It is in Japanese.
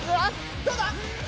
どうだ？